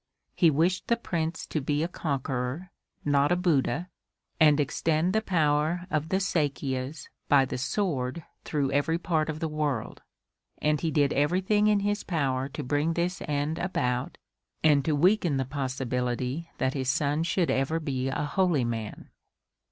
He wished the Prince to be a conqueror, not a Buddha, and extend the power of the Sakyas by the sword through every part of the world. And he did everything in his power to bring this end about and to weaken the possibility that his son should ever be a holy man.